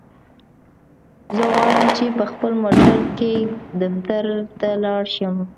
زه غواړم چی په خپل موټرکی دفترته لاړشم.